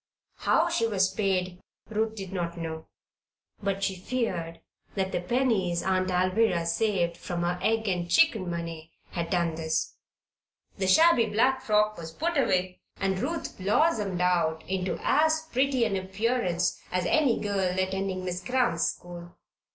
How she was paid, Ruth did not know; but she feared that the pennies Aunt Alvirah saved from her egg and chicken money had done this. However, the shabby black frock was put away and Ruth blossomed out into as pretty an appearance as any girl attending Miss Cramp's school.